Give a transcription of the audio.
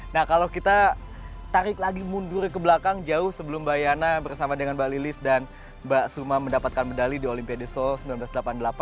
nah kalau kita tarik lagi mundur ke belakang jauh sebelum mbak yana bersama dengan mbak lilis dan mbak suma mendapatkan medali di olimpiade seoul seribu sembilan ratus delapan puluh delapan